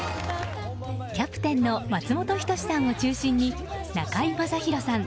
キャプテンの松本人志さんを中心に中居正広さん